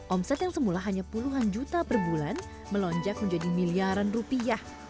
omset yang semula hanya puluhan juta per bulan melonjak menjadi miliaran rupiah